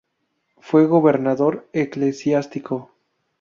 Fue gobernador eclesiástico.